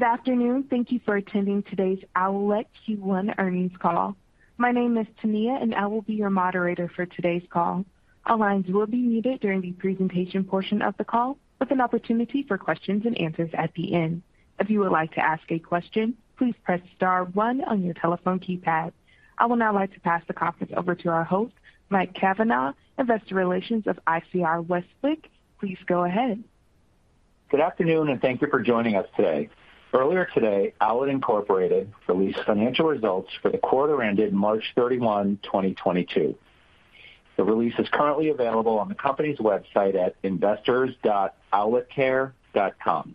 Good afternoon. Thank you for attending today's Owlet Q1 Earnings Call. My name is Tania, and I will be your moderator for today's call. All lines will be muted during the presentation portion of the call, with an opportunity for questions and answers at the end. If you would like to ask a question, please press star one on your telephone keypad. I would now like to pass the conference over to our host, Mike Cavanaugh, Investor Relations of ICR Westwicke. Please go ahead. Good afternoon, and thank you for joining us today. Earlier today, Owlet, Inc. released financial results for the quarter ended March 31, 2022. The release is currently available on the company's website at investors.owletcare.com.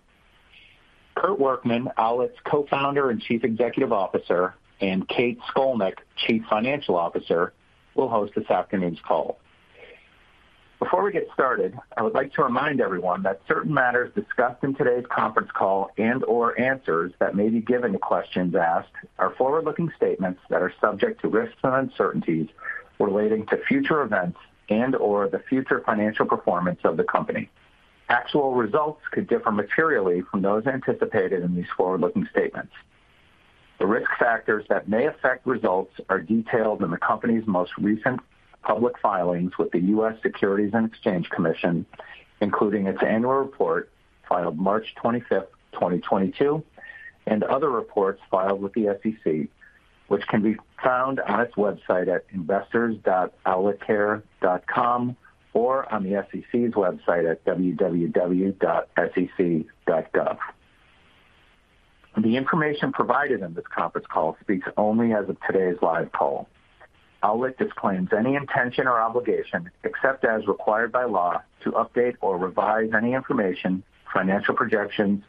Kurt Workman, Owlet's Co-Founder and Chief Executive Officer, and Kate Scolnick, Chief Financial Officer, will host this afternoon's call. Before we get started, I would like to remind everyone that certain matters discussed in today's conference call and/or answers that may be given to questions asked are forward-looking statements that are subject to risks and uncertainties relating to future events and/or the future financial performance of the company. Actual results could differ materially from those anticipated in these forward-looking statements. The risk factors that may affect results are detailed in the company's most recent public filings with the U.S. Securities and Exchange Commission, including its annual report filed March 25th, 2022, and other reports filed with the SEC, which can be found on its website at investors.owletcare.com or on the SEC's website at www.sec.gov. The information provided in this conference call speaks only as of today's live call. Owlet disclaims any intention or obligation, except as required by law, to update or revise any information, financial projections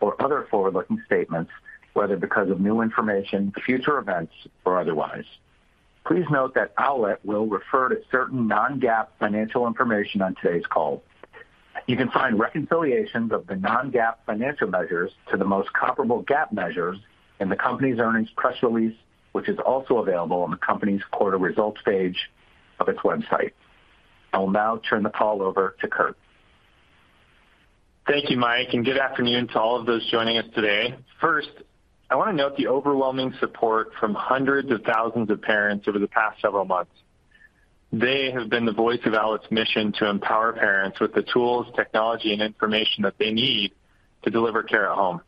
or other forward-looking statements, whether because of new information, future events or otherwise. Please note that Owlet will refer to certain non-GAAP financial information on today's call. You can find reconciliations of the non-GAAP financial measures to the most comparable GAAP measures in the company's earnings press release, which is also available on the company's quarter results page of its website. I will now turn the call over to Kurt. Thank you, Mike, and good afternoon to all of those joining us today. First, I want to note the overwhelming support from hundreds of thousands of parents over the past several months. They have been the voice of Owlet's mission to empower parents with the tools, technology and information that they need to deliver care at home.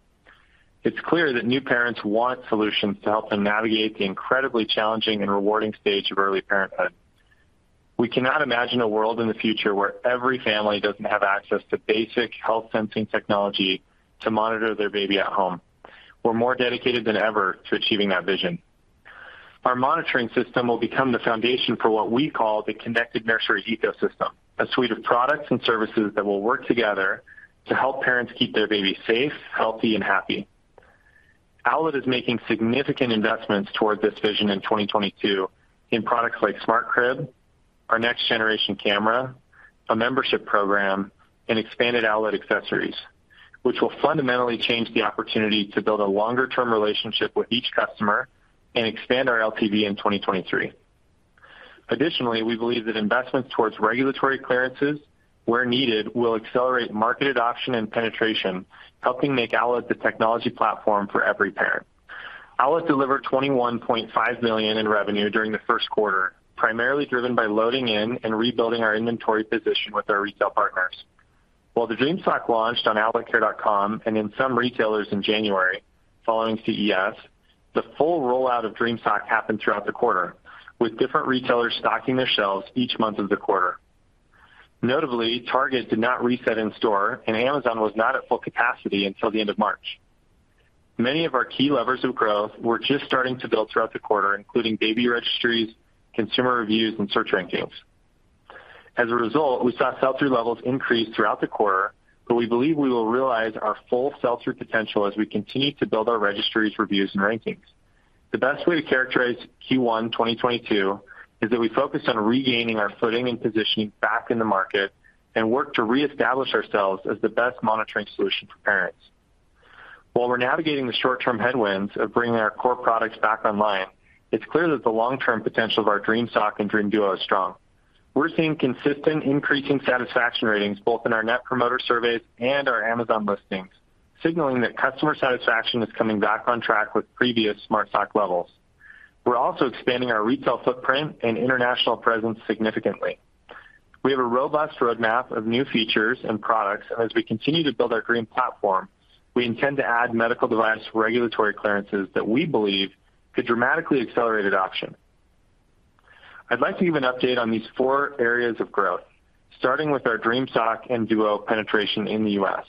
It's clear that new parents want solutions to help them navigate the incredibly challenging and rewarding stage of early parenthood. We cannot imagine a world in the future where every family doesn't have access to basic health sensing technology to monitor their baby at home. We're more dedicated than ever to achieving that vision. Our monitoring system will become the foundation for what we call the connected nursery ecosystem, a suite of products and services that will work together to help parents keep their baby safe, healthy and happy. Owlet is making significant investments toward this vision in 2022 in products like Smart Crib, our next generation camera, a membership program and expanded Owlet accessories, which will fundamentally change the opportunity to build a longer term relationship with each customer and expand our LTV in 2023. Additionally, we believe that investments towards regulatory clearances where needed will accelerate market adoption and penetration, helping make Owlet the technology platform for every parent. Owlet delivered $21.5 million in revenue during the first quarter, primarily driven by loading in and rebuilding our inventory position with our retail partners. While the Dream Sock launched on OwletCare.com and in some retailers in January following CES, the full rollout of Dream Sock happened throughout the quarter, with different retailers stocking their shelves each month of the quarter. Notably, Target did not reset in-store and Amazon was not at full capacity until the end of March. Many of our key levers of growth were just starting to build throughout the quarter, including baby registries, consumer reviews and search rankings. As a result, we saw sell-through levels increase throughout the quarter, but we believe we will realize our full sell-through potential as we continue to build our registries, reviews and rankings. The best way to characterize Q1 2022 is that we focused on regaining our footing and positioning back in the market and work to reestablish ourselves as the best monitoring solution for parents. While we're navigating the short-term headwinds of bringing our core products back online, it's clear that the long-term potential of our Dream Sock and Dream Duo is strong. We're seeing consistent increasing satisfaction ratings both in our net promoter surveys and our Amazon listings, signaling that customer satisfaction is coming back on track with previous Smart Sock levels. We're also expanding our retail footprint and international presence significantly. We have a robust roadmap of new features and products, and as we continue to build our Dream platform, we intend to add medical device regulatory clearances that we believe could dramatically accelerate adoption. I'd like to give an update on these four areas of growth, starting with our Dream Sock and Duo penetration in the U.S.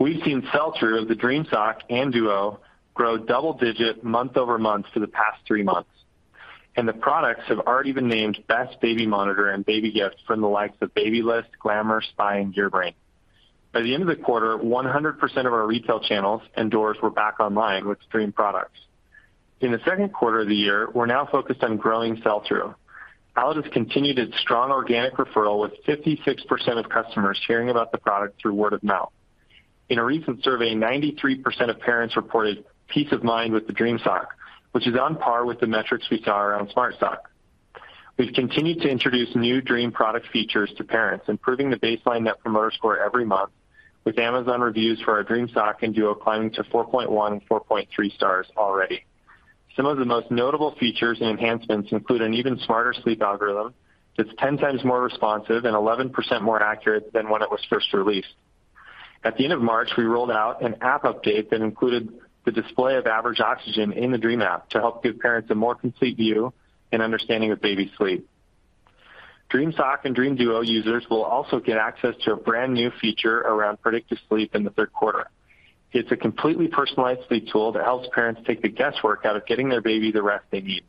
We've seen sell-through of the Dream Sock and Duo grow double-digit month-over-month for the past three months, and the products have already been named best baby monitor and baby gifts from the likes of Babylist, Glamour, SPY, and GearBrain. By the end of the quarter, 100% of our retail channels and doors were back online with Dream products. In the second quarter of the year, we're now focused on growing sell-through. Owlet has continued its strong organic referral with 56% of customers sharing about the product through word of mouth. In a recent survey, 93% of parents reported peace of mind with the Dream Sock, which is on par with the metrics we saw around Smart Sock. We've continued to introduce new Dream product features to parents, improving the baseline Net Promoter Score every month, with Amazon reviews for our Dream Sock and Duo climbing to 4.1 and 4.3 stars already. Some of the most notable features and enhancements include an even smarter sleep algorithm that's 10 times more responsive and 11% more accurate than when it was first released. At the end of March, we rolled out an app update that included the display of average oxygen in the Dream app to help give parents a more complete view and understanding of baby sleep. Dream Sock and Dream Duo users will also get access to a brand-new feature around predictive sleep in the third quarter. It's a completely personalized sleep tool that helps parents take the guesswork out of getting their baby the rest they need.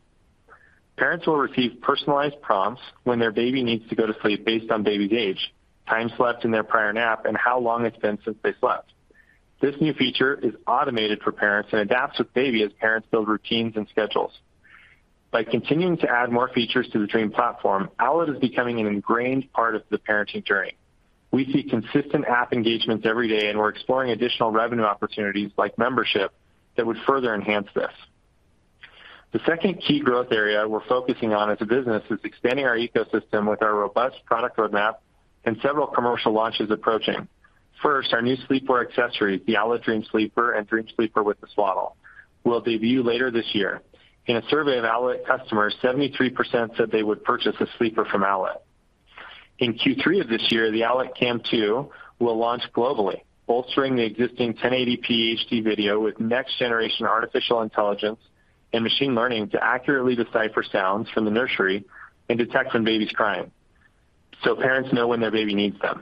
Parents will receive personalized prompts when their baby needs to go to sleep based on baby's age, time slept in their prior nap, and how long it's been since they slept. This new feature is automated for parents and adapts with baby as parents build routines and schedules. By continuing to add more features to the Dream platform, Owlet is becoming an ingrained part of the parenting journey. We see consistent app engagements every day, and we're exploring additional revenue opportunities like membership that would further enhance this. The second key growth area we're focusing on as a business is expanding our ecosystem with our robust product roadmap and several commercial launches approaching. First, our new sleepwear accessory, the Owlet Dream Sleeper and Dream Sleeper with the swaddle, will debut later this year. In a survey of Owlet customers, 73% said they would purchase a sleeper from Owlet. In Q3 of this year, the Owlet Cam Two will launch globally, bolstering the existing 1080p HD video with next-generation Artificial Intelligence and machine learning to accurately decipher sounds from the nursery and detect when baby's crying, so parents know when their baby needs them.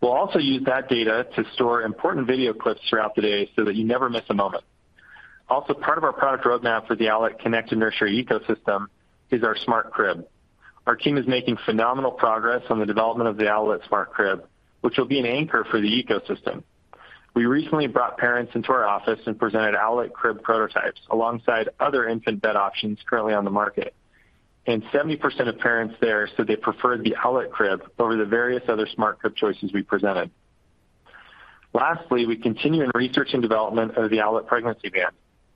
We'll also use that data to store important video clips throughout the day so that you never miss a moment. Also, part of our product roadmap for the Owlet connected nursery ecosystem is our Smart Crib. Our team is making phenomenal progress on the development of the Owlet Smart Crib, which will be an anchor for the ecosystem. We recently brought parents into our office and presented Owlet Crib prototypes alongside other infant bed options currently on the market, and 70% of parents there said they preferred the Owlet Crib over the various other Smart Crib choices we presented. Lastly, we continue in research and development of the Owlet Pregnancy Band,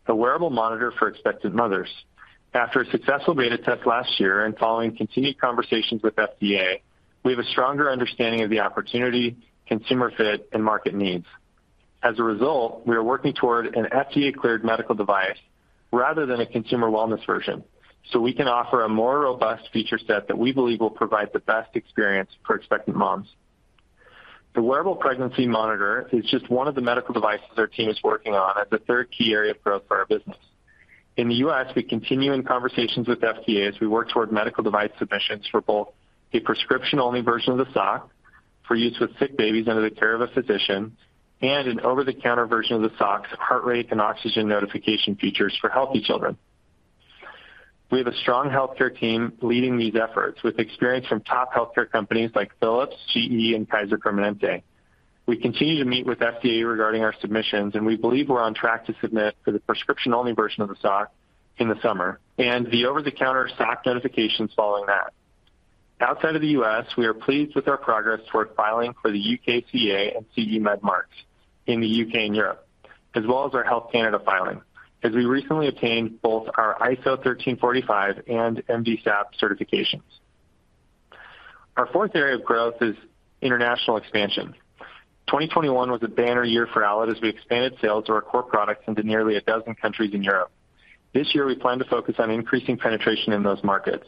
a wearable monitor for expectant mothers. After a successful beta test last year and following continued conversations with FDA, we have a stronger understanding of the opportunity, consumer fit, and market needs. As a result, we are working toward an FDA-cleared medical device rather than a consumer wellness version, so we can offer a more robust feature set that we believe will provide the best experience for expectant moms. The wearable pregnancy monitor is just one of the medical devices our team is working on as a third key area of growth for our business. In the U.S., we continue in conversations with FDA as we work toward medical device submissions for both a prescription-only version of the sock for use with sick babies under the care of a physician and an over-the-counter version of the sock's heart rate and oxygen notification features for healthy children. We have a strong healthcare team leading these efforts with experience from top healthcare companies like Philips, GE, and Kaiser Permanente. We continue to meet with FDA regarding our submissions, and we believe we're on track to submit for the prescription-only version of the sock in the summer and the over-the-counter sock notifications following that. Outside of the U.S., we are pleased with our progress toward filing for the UKCA and CE mark in the U.K. and Europe, as well as our Health Canada filing, as we recently obtained both our ISO 13485 and MDSAP certifications. Our fourth area of growth is international expansion. 2021 was a banner year for Owlet as we expanded sales to our core products into nearly a dozen countries in Europe. This year, we plan to focus on increasing penetration in those markets.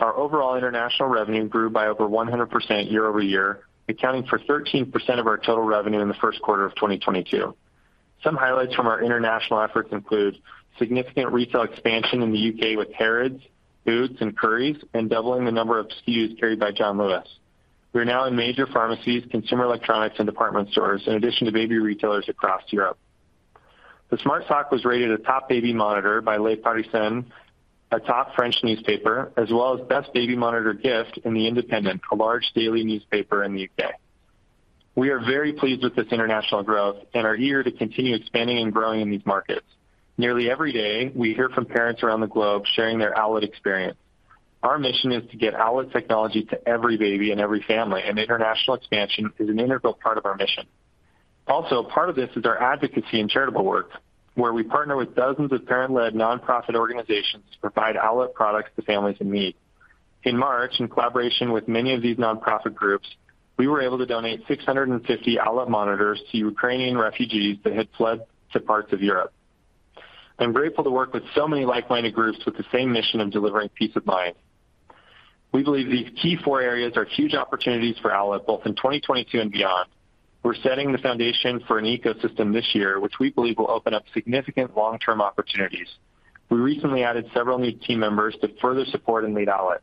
Our overall international revenue grew by over 100% year-over-year, accounting for 13% of our total revenue in the first quarter of 2022. Some highlights from our international efforts include significant retail expansion in the U.K. with Harrods, Boots, and Currys, and doubling the number of SKUs carried by John Lewis. We are now in major pharmacies, consumer electronics, and department stores, in addition to baby retailers across Europe. The Smart Sock was rated a top baby monitor by Le Parisien, a top French newspaper, as well as best baby monitor gift in The Independent, a large daily newspaper in the U.K. We are very pleased with this international growth and are eager to continue expanding and growing in these markets. Nearly every day, we hear from parents around the globe sharing their Owlet experience. Our mission is to get Owlet technology to every baby and every family, and international expansion is an integral part of our mission. Also, part of this is our advocacy and charitable work, where we partner with dozens of parent-led non-profit organizations to provide Owlet products to families in need. In March, in collaboration with many of these non-profit groups, we were able to donate 650 Owlet monitors to Ukrainian refugees that had fled to parts of Europe. I'm grateful to work with so many like-minded groups with the same mission of delivering peace of mind. We believe these key four areas are huge opportunities for Owlet, both in 2022 and beyond. We're setting the foundation for an ecosystem this year, which we believe will open up significant long-term opportunities. We recently added several new team members to further support and lead Owlet.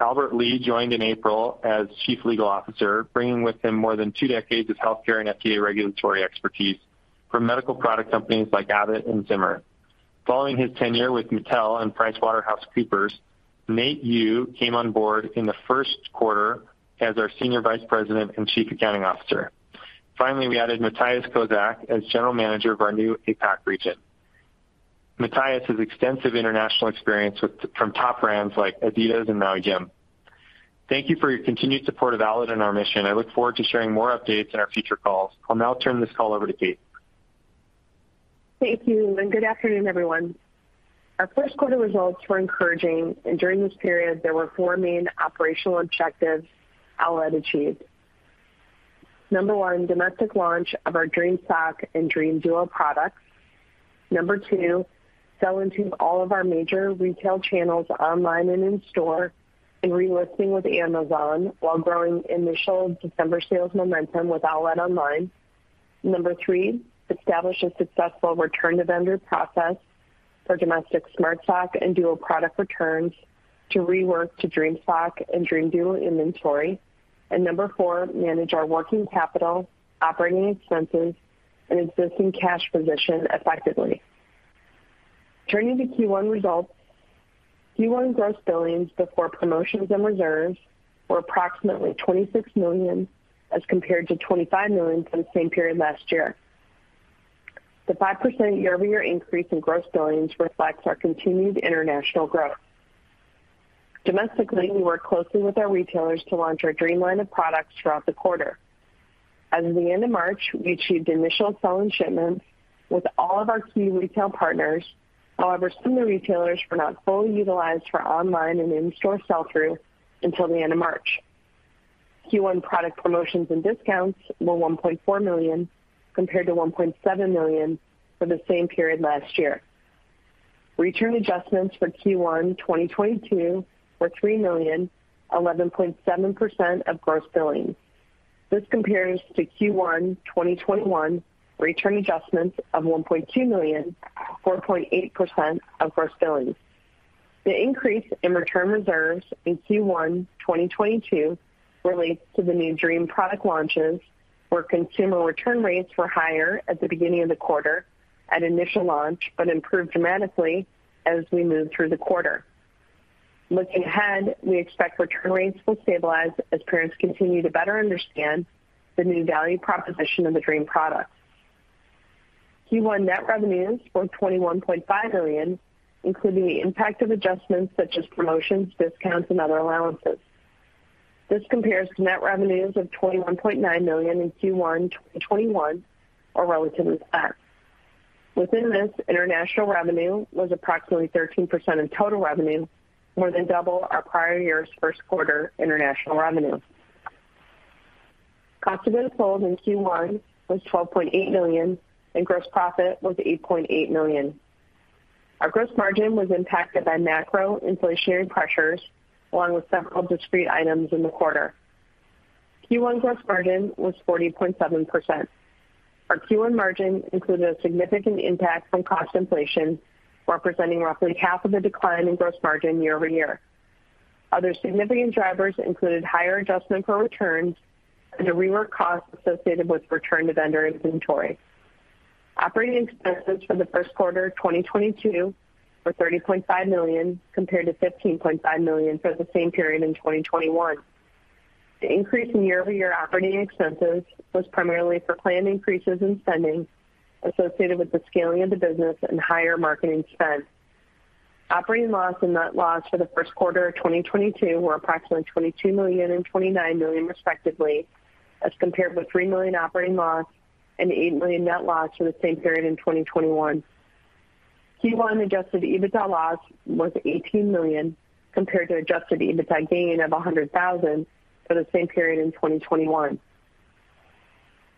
Albert Lee joined in April as Chief Legal Officer, bringing with him more than two decades of healthcare and FDA regulatory expertise from medical product companies like Abbott and Zimmer. Following his tenure with Mattel and PricewaterhouseCoopers, Nate Yu came on board in the first quarter as our Senior Vice President and Chief Accounting Officer. Finally, we added Matthias Kozak as General Manager of our new APAC region. Matthias has extensive international experience from top brands like Adidas and Nike. Thank you for your continued support of Owlet and our mission. I look forward to sharing more updates in our future calls. I'll now turn this call over to Kate. Thank you, and good afternoon, everyone. Our first quarter results were encouraging, and during this period there were four main operational objectives Owlet achieved. Number one, domestic launch of our Dream Sock and Dream Duo products. Number two, sell into all of our major retail channels online and in-store and relisting with Amazon while growing initial December sales momentum with Owlet online. Number three, establish a successful return-to-vendor process for domestic Smart Sock and Duo product returns to rework to Dream Sock and Dream Duo inventory. Number four, manage our working capital, operating expenses and existing cash position effectively. Turning to Q1 results. Q1 gross billings before promotions and reserves were approximately $26 million as compared to $25 million for the same period last year. The 5% year-over-year increase in gross billings reflects our continued international growth. Domestically, we work closely with our retailers to launch our Dream line of products throughout the quarter. As of the end of March, we achieved initial sell-in and shipments with all of our key retail partners. However, some of the retailers were not fully utilized for online and in-store sell-through until the end of March. Q1 product promotions and discounts were $1.4 million, compared to $1.7 million for the same period last year. Return adjustments for Q1 2022 were $3 million, 11.7% of gross billings. This compares to Q1 2021 return adjustments of $1.2 million, 4.8% of gross billings. The increase in return reserves in Q1 2022 relates to the new Dream product launches, where consumer return rates were higher at the beginning of the quarter at initial launch, but improved dramatically as we moved through the quarter. Looking ahead, we expect return rates will stabilize as parents continue to better understand the new value proposition of the Dream products. Q1 net revenues were $21.5 million, including the impact of adjustments such as promotions, discounts, and other allowances. This compares to net revenues of $21.9 million in Q1 2021 or relatively flat. Within this, international revenue was approximately 13% of total revenue, more than double our prior year's first quarter international revenue. Cost of goods sold in Q1 was $12.8 million, and gross profit was $8.8 million. Our gross margin was impacted by macro inflationary pressures along with several discrete items in the quarter. Q1 gross margin was 40.7%. Our Q1 margin included a significant impact from cost inflation, representing roughly half of the decline in gross margin year-over-year. Other significant drivers included higher adjustment for returns and the rework costs associated with return to vendor inventory. Operating expenses for the first quarter 2022 were $30.5 million, compared to $15.5 million for the same period in 2021. The increase in year-over-year operating expenses was primarily for planned increases in spending associated with the scaling of the business and higher marketing spend. Operating loss and net loss for the first quarter of 2022 were approximately $22 million and $29 million respectively, as compared with $3 million operating loss and $8 million net loss for the same period in 2021. Q1 adjusted EBITDA loss was $18 million compared to adjusted EBITDA gain of $100,000 for the same period in 2021.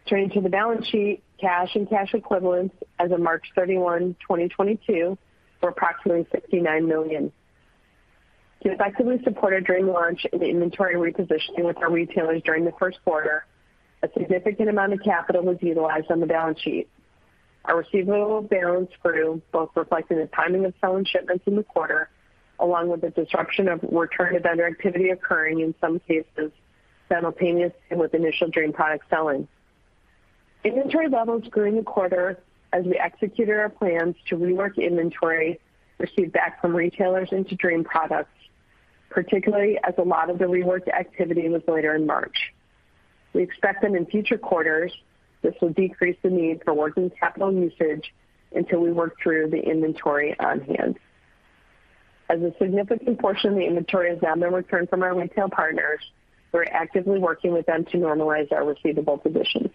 Turning to the balance sheet, cash and cash equivalents as of March 31, 2022, were approximately $69 million. To effectively support our Dream launch and the inventory repositioning with our retailers during the first quarter, a significant amount of capital was utilized on the balance sheet. Our receivable balance grew, both reflecting the timing of sell-in and shipments in the quarter, along with the disruption of return to vendor activity occurring in some cases simultaneously with initial Dream product selling. Inventory levels grew in the quarter as we executed our plans to rework inventory received back from retailers into Dream products, particularly as a lot of the reworked activity was later in March. We expect that in future quarters, this will decrease the need for working capital usage until we work through the inventory on hand. As a significant portion of the inventory has now been returned from our retail partners, we're actively working with them to normalize our receivable position.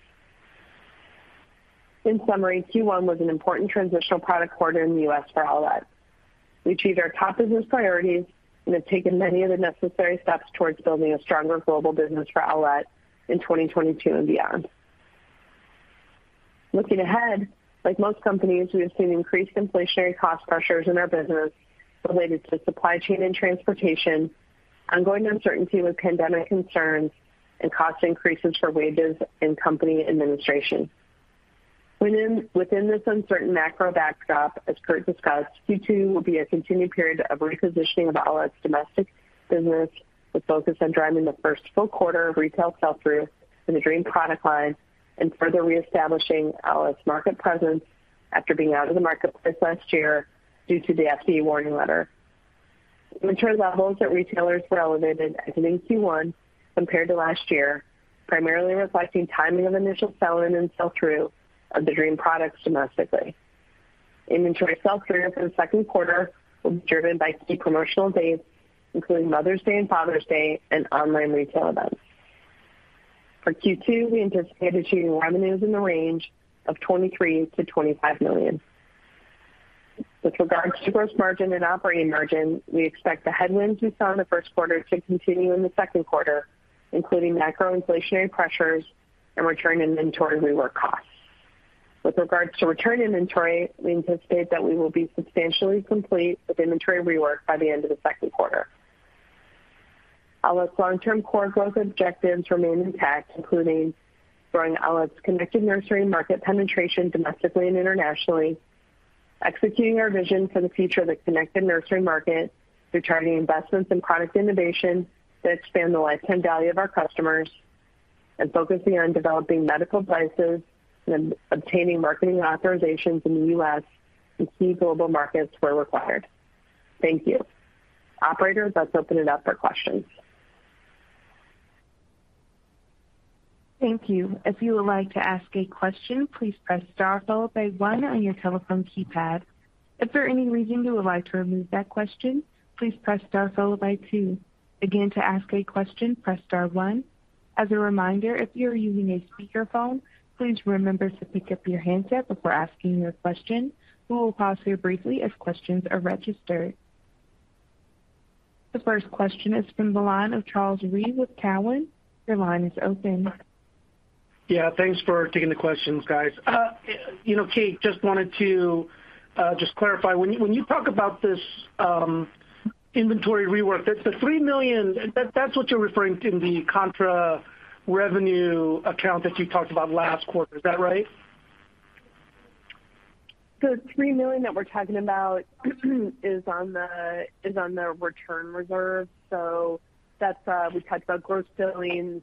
In summary, Q1 was an important transitional product quarter in the U.S. for Owlet. We achieved our top business priorities and have taken many of the necessary steps towards building a stronger global business for Owlet in 2022 and beyond. Looking ahead, like most companies, we have seen increased inflationary cost pressures in our business related to supply chain and transportation, ongoing uncertainty with pandemic concerns, and cost increases for wages and company administration. Within this uncertain macro backdrop, as Kurt discussed, Q2 will be a continued period of repositioning of Owlet's domestic business with focus on driving the first full quarter of retail sell-through in the Dream product line and further reestablishing Owlet's market presence after being out of the marketplace last year due to the FDA warning letter. Inventory levels at retailers were elevated as in Q1 compared to last year, primarily reflecting timing of initial sell-in and sell-through of the Dream products domestically. Inventory sell-through for the second quarter will be driven by key promotional dates including Mother's Day and Father's Day and online retail events. For Q2, we anticipate achieving revenues in the range of $23 million-$25 million. With regards to gross margin and operating margin, we expect the headwinds we saw in the first quarter to continue in the second quarter, including macro inflationary pressures and return inventory rework costs. With regards to return inventory, we anticipate that we will be substantially complete with inventory rework by the end of the second quarter. Owlet's long-term core growth objectives remain intact, including growing Owlet's connected nursery market penetration domestically and internationally, executing our vision for the future of the connected nursery market through targeted investments in product innovation that expand the lifetime value of our customers, and focusing on developing medical devices and obtaining marketing authorizations in the U.S. and key global markets where required. Thank you. Operator, let's open it up for questions. Thank you. If you would like to ask a question, please press star followed by one on your telephone keypad. If for any reason you would like to remove that question, please press star followed by two. Again, to ask a question, press star one. As a reminder, if you are using a speakerphone, please remember to pick up your handset before asking your question. We will pause here briefly as questions are registered. The first question is from the line of Charles Rhyee with Cowen. Your line is open. Yeah, thanks for taking the questions, guys. You know, Kate, just wanted to just clarify. When you talk about this inventory rework, the $3 million, that's what you're referring to in the contra revenue account that you talked about last quarter. Is that right? The $3 million that we're talking about is on the return reserve. That's what we talked about gross billings,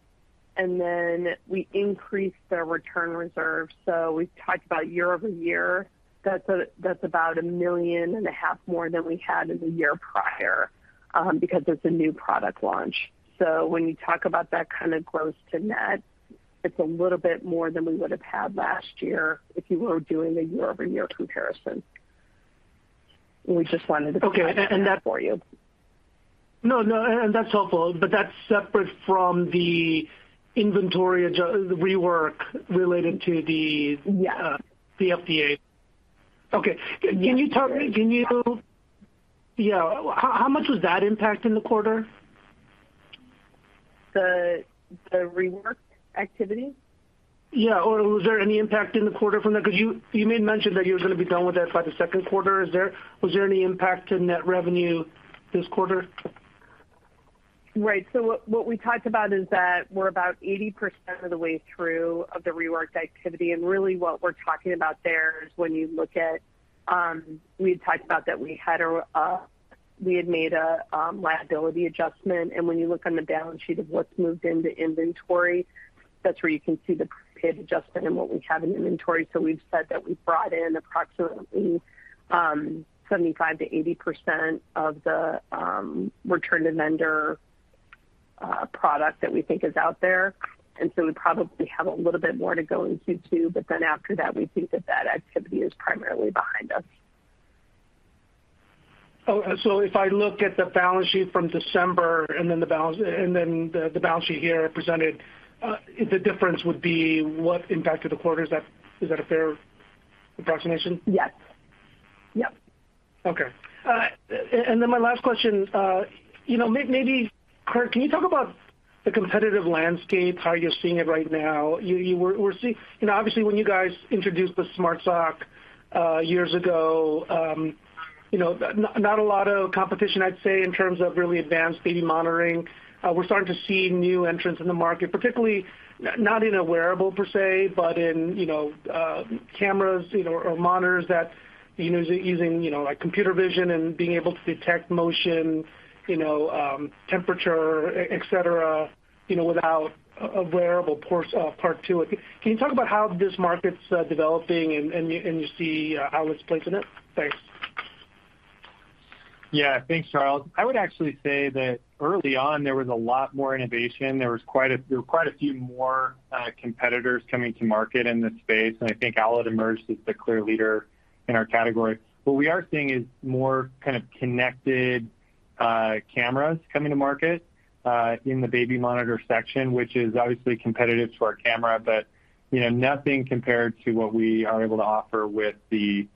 and then we increased our return reserve. We talked about year-over-year. That's about $1.5 million more than we had in the year prior, because it's a new product launch. When you talk about that kind of close to net, it's a little bit more than we would have had last year if you were doing a year-over-year comparison. We just wanted to. Okay. for you. No, no, and that's helpful. That's separate from the inventory rework related to the Yeah. the FDA. Okay. Can you tell me? Yeah. How much was that impact in the quarter? The rework activity? Yeah. Was there any impact in the quarter from that? 'Cause you made mention that you were gonna be done with that by the second quarter. Was there any impact to net revenue this quarter? Right. What we talked about is that we're about 80% of the way through the rework activity, and really what we're talking about there is when you look at, we had talked about that we had made a liability adjustment. When you look on the balance sheet of what's moved into inventory, that's where you can see the liability adjustment and what we have in inventory. We've said that we brought in approximately 75%-80% of the return to vendor product that we think is out there. We probably have a little bit more to go in Q2. After that, we think that that activity is primarily behind us. If I look at the balance sheet from December and then the balance sheet here presented, the difference would be what impact to the quarter. Is that a fair approximation? Yes. Yep. Okay. Then my last question, you know, maybe, Kurt, can you talk about the competitive landscape, how you're seeing it right now? You know, obviously when you guys introduced the Smart Sock years ago, you know, not a lot of competition, I'd say, in terms of really advanced baby monitoring. We're starting to see new entrants in the market, particularly not in a wearable per se, but in, you know, cameras, you know, or monitors that, you know, using, you know, like computer vision and being able to detect motion, you know, temperature, et cetera, you know, without a wearable part to it. Can you talk about how this market's developing and you see Owlet's place in it? Thanks. Yeah. Thanks, Charles. I would actually say that early on, there was a lot more innovation. There were quite a few more competitors coming to market in this space. I think Owlet emerged as the clear leader in our category. What we are seeing is more kind of connected cameras coming to market in the baby monitor section, which is obviously competitive to our camera, but you know, nothing compared to what we are able to offer with the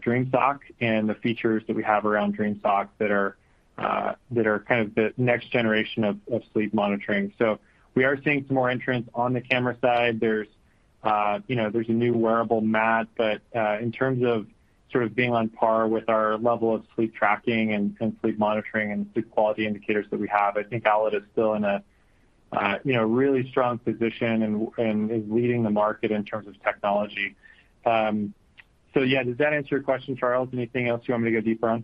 Dream Sock and the features that we have around Dream Sock that are kind of the next generation of sleep monitoring. We are seeing some more entrants on the camera side. There's you know, there's a new wearable mat, but in terms of sort of being on par with our level of sleep tracking and sleep monitoring and sleep quality indicators that we have, I think Owlet is still in a you know, really strong position and is leading the market in terms of technology. So yeah, does that answer your question, Charles? Anything else you want me to go deeper on?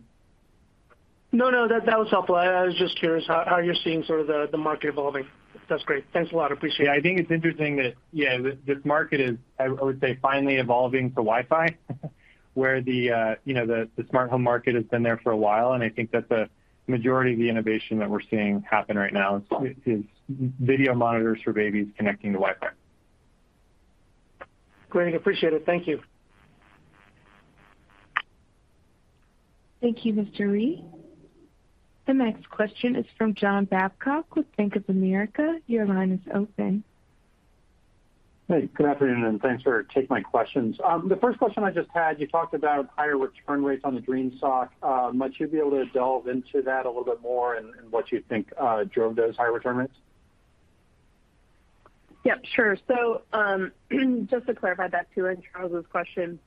No, that was helpful. I was just curious how you're seeing sort of the market evolving. That's great. Thanks a lot. Appreciate it. Yeah. I think it's interesting that, yeah, this market is, I would say, finally evolving to Wi-Fi, where the, you know, the smartphone market has been there for a while, and I think that the majority of the innovation that we're seeing happen right now is video monitors for babies connecting to Wi-Fi. Great. Appreciate it. Thank you. Thank you, Mr. Rhyee. The next question is from John Babcock with Bank of America. Your line is open. Hey, good afternoon, and thanks for taking my questions. The first question I just had, you talked about higher return rates on the Dream Sock. Might you be able to delve into that a little bit more and what you think drove those higher return rates? Yep, sure. Just to clarify that too, in Charles Rhyee's question,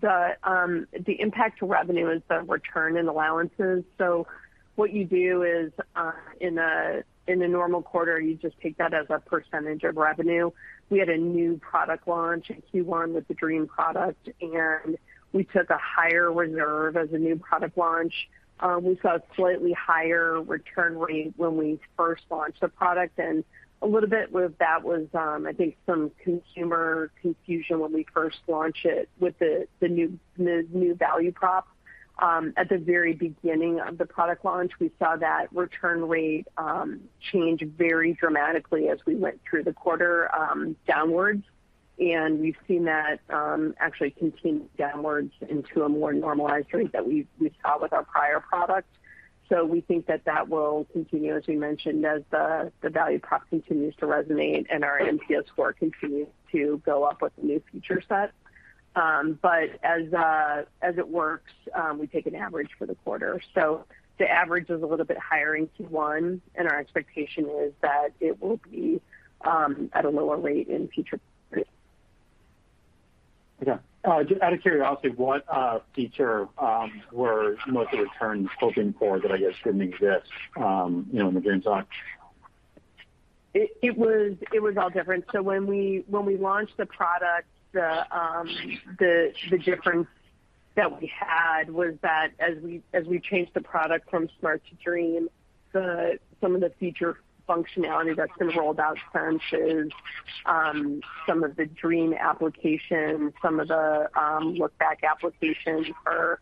the impact to revenue is the returns and allowances. What you do is, in a normal quarter, you just take that as a percentage of revenue. We had a new product launch in Q1 with the Dream product, and we took a higher reserve as a new product launch. We saw a slightly higher return rate when we first launched the product, and a little bit of that was, I think, some consumer confusion when we first launched it with the new value prop. At the very beginning of the product launch, we saw that return rate change very dramatically as we went through the quarter, downwards. We've seen that actually continue downwards into a more normalized rate that we saw with our prior products. We think that will continue, as we mentioned, as the value prop continues to resonate and our NPS score continues to go up with the new feature set. As it works, we take an average for the quarter. The average is a little bit higher in Q1, and our expectation is that it will be at a lower rate in future periods. Okay. Just out of curiosity, what feature were most of the returns hoping for that I guess didn't exist, you know, in the Dream Sock? It was all different. When we launched the product, the difference that we had was that as we changed the product from Smart to Dream, some of the feature functionality that's been rolled out since is some of the Dream application, some of the look back application for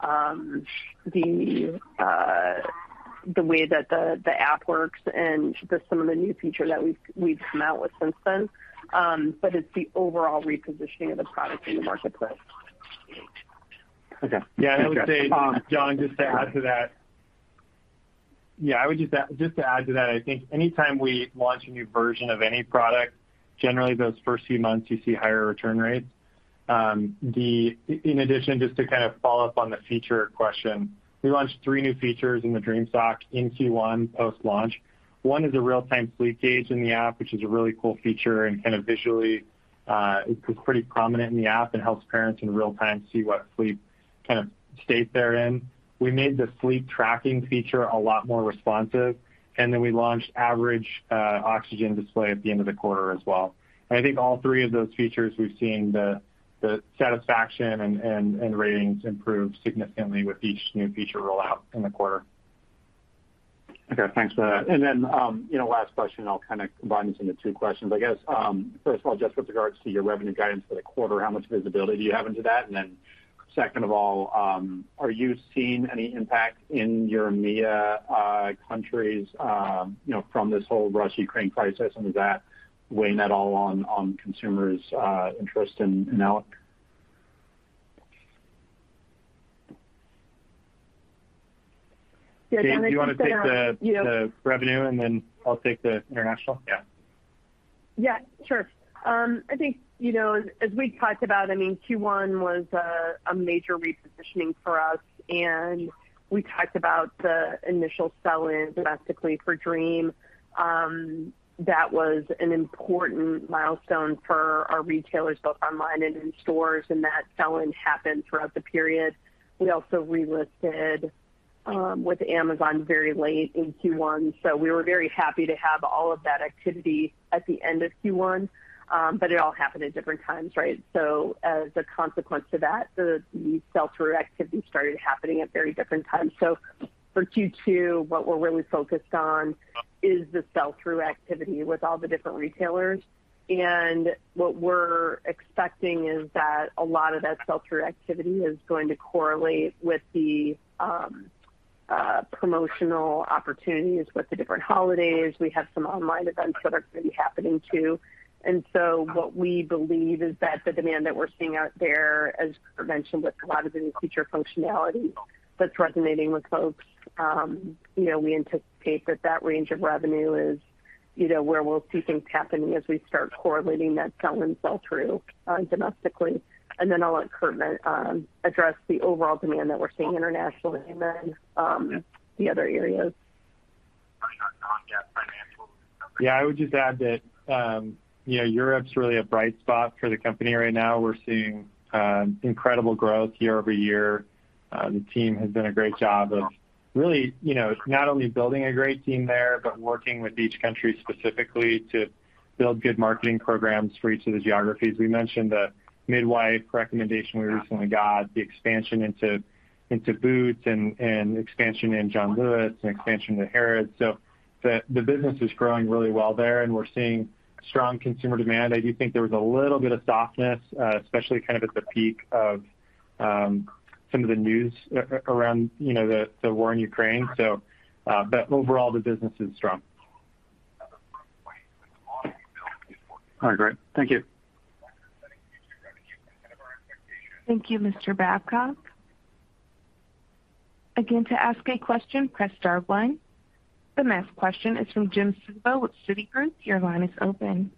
the way that the app works and just some of the new features that we've come out with since then. But it's the overall repositioning of the product in the marketplace. Okay. Yeah, I would say, John, just to add to that. I think anytime we launch a new version of any product, generally those first few months you see higher return rates. In addition, just to kind of follow up on the feature question, we launched three new features in the Dream Sock in Q1 post-launch. One is a real-time sleep gauge in the app, which is a really cool feature and kind of visually, it's pretty prominent in the app and helps parents in real time see what sleep kind of state they're in. We made the sleep tracking feature a lot more responsive, and then we launched average oxygen display at the end of the quarter as well. I think all three of those features, we've seen the satisfaction and ratings improve significantly with each new feature rollout in the quarter. Okay, thanks for that. You know, last question, I'll kind of combine this into two questions. I guess, first of all, just with regards to your revenue guidance for the quarter, how much visibility do you have into that? Second of all, are you seeing any impact in your EMEA countries, you know, from this whole Russia-Ukraine crisis? Does that weigh at all on consumers' interest in Owlet? Yeah, John, I can take- Kate, do you want to take the revenue, and then I'll take the international? Yeah, sure. I think, you know, as we talked about, I mean, Q1 was a major repositioning for us, and we talked about the initial sell-in domestically for Dream. That was an important milestone for our retailers, both online and in-stores, and that sell-in happened throughout the period. We also relisted with Amazon very late in Q1, so we were very happy to have all of that activity at the end of Q1, but it all happened at different times, right? As a consequence to that, the sell-through activity started happening at very different times. For Q2, what we're really focused on is the sell-through activity with all the different retailers. What we're expecting is that a lot of that sell-through activity is going to correlate with the promotional opportunities with the different holidays. We have some online events that are going to be happening too. What we believe is that the demand that we're seeing out there, as Kurt mentioned, with a lot of the new feature functionality that's resonating with folks, you know, we anticipate that range of revenue is, you know, where we'll see things happening as we start correlating that sell-in, sell-through, domestically. I'll let Kurt address the overall demand that we're seeing internationally and then the other areas. Not yet. Financial. Yeah, I would just add that, you know, Europe's really a bright spot for the company right now. We're seeing incredible growth year-over-year. The team has done a great job of really, you know, not only building a great team there, but working with each country specifically to build good marketing programs for each of the geographies. We mentioned the midwife recommendation we recently got, the expansion into Boots and expansion in John Lewis and expansion into Harrods. The business is growing really well there, and we're seeing strong consumer demand. I do think there was a little bit of softness, especially kind of at the peak of some of the news around, you know, the war in Ukraine. Overall, the business is strong. All right, great. Thank you. Thank you, Mr. Babcock. Again, to ask a question, press star one. The next question is from Jim Suva with Citigroup. Your line is open.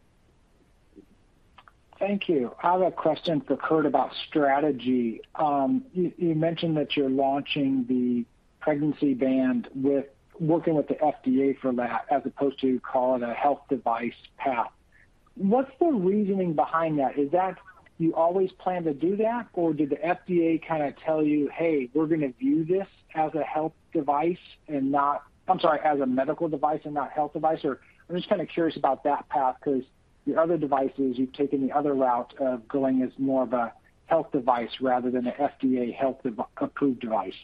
Thank you. I have a question for Kurt about strategy. You mentioned that you're launching the Pregnancy Band by working with the FDA for that, as opposed to call it a health device path. What's the reasoning behind that? Is that you always plan to do that, or did the FDA kind of tell you, "Hey, we're gonna view this as a medical device and not health device"? Or I'm just kind of curious about that path, 'cause the other devices you've taken the other route of going as more of a health device rather than a FDA health approved device.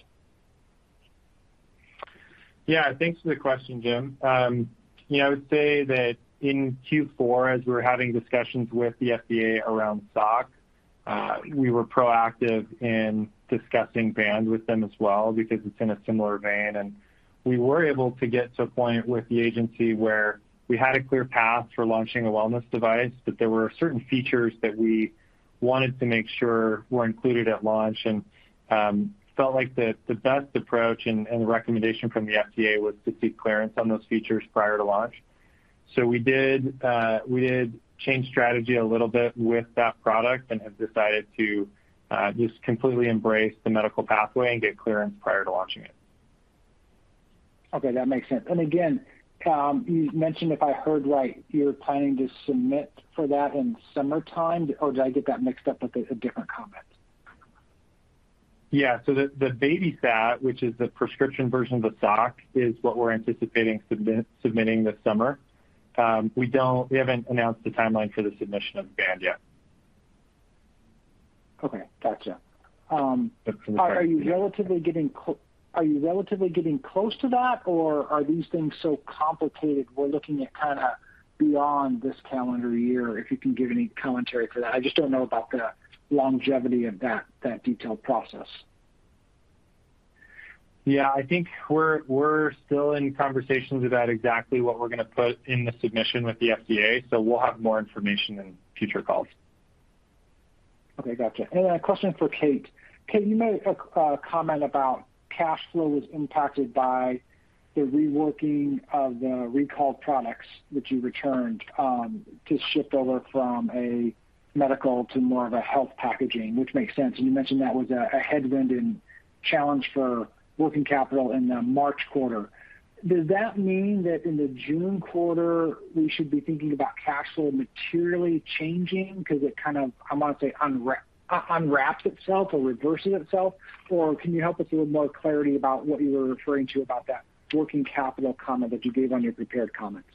Yeah. Thanks for the question, Jim. You know, I would say that in Q4 as we're having discussions with the FDA around sock, we were proactive in discussing band with them as well because it's in a similar vein. We were able to get to a point with the agency where we had a clear path for launching a wellness device, but there were certain features that we wanted to make sure were included at launch. We felt like the best approach and the recommendation from the FDA was to seek clearance on those features prior to launch. We did change strategy a little bit with that product and have decided to just completely embrace the medical pathway and get clearance prior to launching it. Okay, that makes sense. Again, you mentioned, if I heard right, you're planning to submit for that in summertime, or did I get that mixed up with a different comment? The BabySat, which is the prescription version of the sock, is what we're anticipating submitting this summer. We haven't announced the timeline for the submission of Band yet. Okay. Gotcha. That's from the. Are you relatively getting close to that, or are these things so complicated we're looking at kinda beyond this calendar year? If you can give any commentary for that. I just don't know about the longevity of that detailed process. Yeah. I think we're still in conversations about exactly what we're gonna put in the submission with the FDA, so we'll have more information in future calls. Okay. Gotcha. A question for Kate. Kate, you made a comment about cash flow was impacted by the reworking of the recalled products that you returned to shift over from a medical to more of a health packaging, which makes sense. You mentioned that was a headwind and challenge for working capital in the March quarter. Does that mean that in the June quarter, we should be thinking about cash flow materially changing because it kind of, I wanna say, unwraps itself or reverses itself? Or can you help us with more clarity about what you were referring to about that working capital comment that you gave on your prepared comments?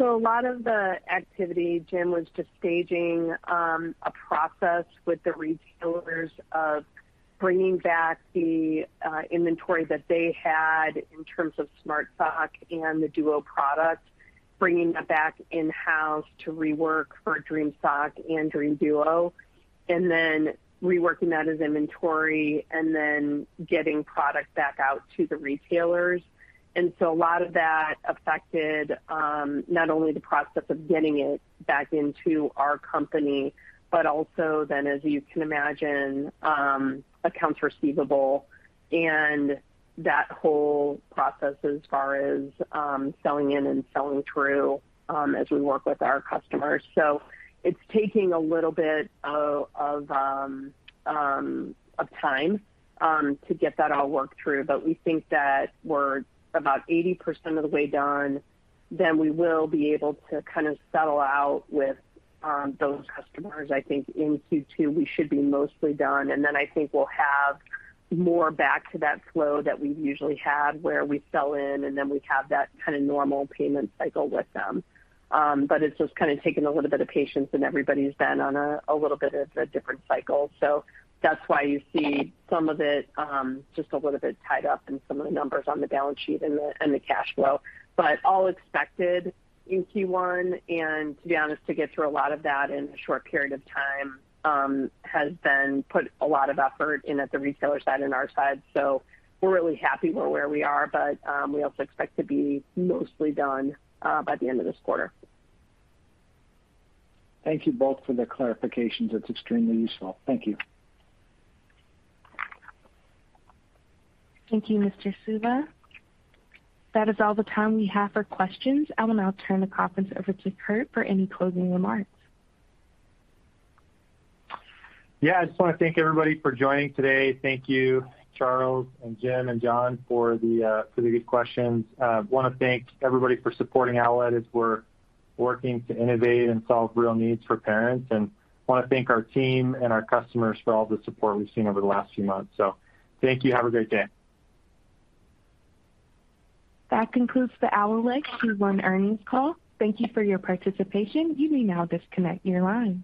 A lot of the activity, Jim, was just staging a process with the retailers of bringing back the inventory that they had in terms of Smart Sock and the Duo product, bringing that back in-house to rework for Dream Sock and Dream Duo, and then reworking that as inventory and then getting product back out to the retailers. A lot of that affected not only the process of getting it back into our company, but also then as you can imagine, accounts receivable and that whole process as far as selling in and selling through as we work with our customers. It's taking a little bit of time to get that all worked through. We think that we're about 80% of the way done, then we will be able to kind of settle out with those customers. I think in Q2, we should be mostly done, and then I think we'll have more back to that flow that we usually have where we sell in, and then we have that kind of normal payment cycle with them. It's just kind of taken a little bit of patience, and everybody's been on a little bit of a different cycle. That's why you see some of it just a little bit tied up in some of the numbers on the balance sheet and the cash flow. All expected in Q1 and to be honest, to get through a lot of that in a short period of time, has been put a lot of effort in at the retailer side and our side. We're really happy with where we are, but we also expect to be mostly done by the end of this quarter. Thank you both for the clarifications. That's extremely useful. Thank you. Thank you, Mr. Suva. That is all the time we have for questions. I will now turn the conference over to Kurt for any closing remarks. Yeah. I just wanna thank everybody for joining today. Thank you, Charles and Jim and John for the good questions. Wanna thank everybody for supporting Owlet as we're working to innovate and solve real needs for parents. Wanna thank our team and our customers for all the support we've seen over the last few months. Thank you. Have a great day. That concludes the Owlet Q1 earnings call. Thank you for your participation. You may now disconnect your line.